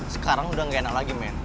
sekarang udah gak enak lagi main